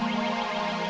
sama siapa lagi dia ya